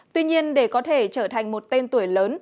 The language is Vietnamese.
tuy nhiên để có thể trở thành một tên tuổi lớn